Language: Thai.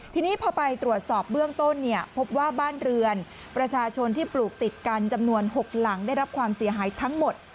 ทีนี้พอไปตรวจสอบเบื้องต้นเนี่ยพบว่าบ้านเรือนประชาชนที่ปลูกติดกันจำนวน๖หลังได้รับความเสียหายทั้งหมด